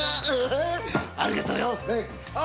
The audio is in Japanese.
ありがとうよ。